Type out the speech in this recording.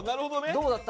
どうだった？